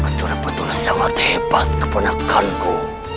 itulah betul sangat hebat keponakanku